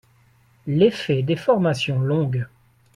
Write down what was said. L’effet des formations longues.